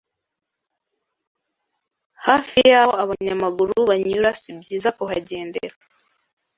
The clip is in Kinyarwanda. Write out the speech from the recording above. hafi y’aho abanyamaguru banyura sibyiza kuhagendera